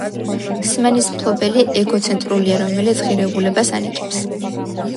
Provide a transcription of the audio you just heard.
სმენის მფლობელი ეგოცენტრულია, რომელიც ღირებულებას ანიჭებს